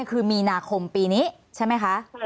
คือมีนาคมปีนี้ใช่ไหมคะ